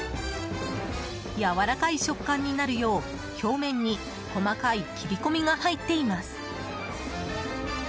やわらかい食感になるよう表面に細かい切り込みが入っています。